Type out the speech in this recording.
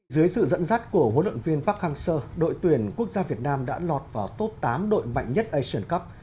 dưới sự dẫn dắt của huấn luyện viên park hang seo đội tuyển quốc gia việt nam đã lọt vào top tám đội mạnh nhất asian cup